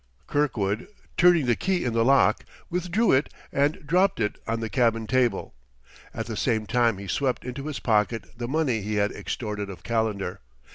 Kirkwood, turning the key in the lock, withdrew it and dropped it on the cabin table; at the same time he swept into his pocket the money he had extorted of Calendar.